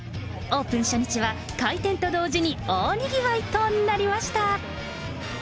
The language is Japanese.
オープン初日は、開店と同時に大にぎわいとなりました。